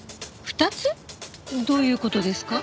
どういう事ですか？